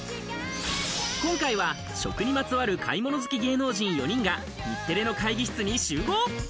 今回は食にまつわる買い物好き芸能人４人が、日テレの会議室に集合。